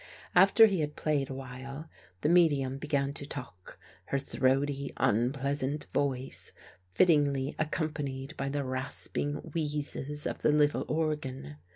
After he had played a while, the medium began to talk, her throaty unpleasant voice fittingly accompanied by the rasping wheezes of the little organ.